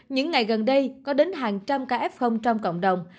những ngày gần đây có đến hàng trăm kf trong cộng đồng